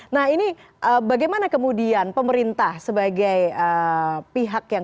nah ini bagaimana kemudian pemerintah sebagai pihak yang